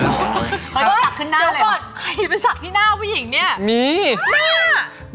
เดี๋ยวก่อนไหนไปสักที่หน้าผู้หญิงเนี้ย